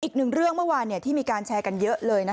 อีกหนึ่งเรื่องเมื่อวานที่มีการแชร์กันเยอะเลย